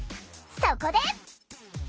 そこで！